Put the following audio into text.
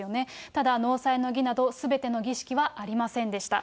ただ納采の儀など、すべての儀式はありませんでした。